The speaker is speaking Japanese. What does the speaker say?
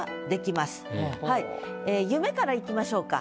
「夢」からいきましょうか。